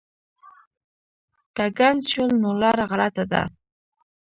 که ګنګس شول نو لاره غلطه ده.